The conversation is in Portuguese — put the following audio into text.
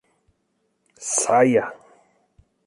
Saia!